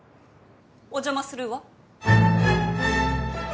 お邪魔するわ。